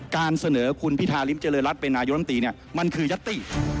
การเสนอคุณพิธาริมเจริญรัฐเป็นนายกรรมตรีเนี่ยมันคือยัตติ